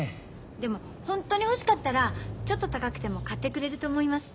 でもホントに欲しかったらちょっと高くても買ってくれると思います。